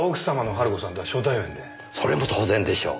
それも当然でしょう。